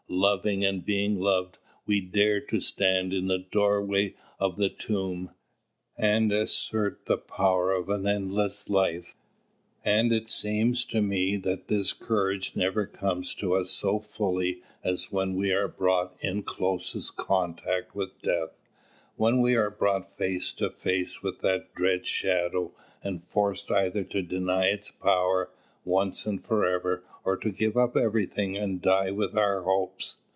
Loving and being loved, we dare to stand in the very doorway of the tomb, and assert the power of an endless life. And it seems to me that this courage never comes to us so fully as when we are brought in closest contact with death, when we are brought face to face with that dread shadow and forced either to deny its power, once and forever, or to give up everything and die with our hopes.